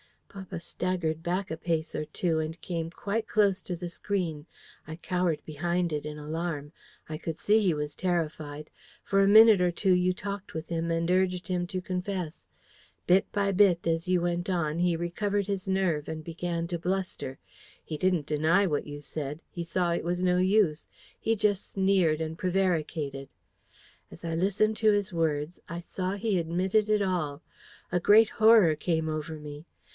"Papa staggered back a pace or two, and came quite close to the screen. I cowered behind it in alarm. I could see he was terrified. For a minute or two you talked with him, and urged him to confess. Bit by bit, as you went on, he recovered his nerve, and began to bluster. He didn't deny what you said: he saw it was no use: he just sneered and prevaricated. "As I listened to his words, I saw he admitted it all. A great horror came over me.